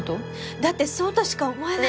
だってそうとしか思えない。